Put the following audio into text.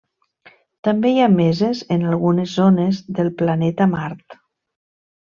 També hi ha meses en algunes zones del planeta Mart.